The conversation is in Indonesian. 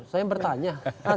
saya yang bertanya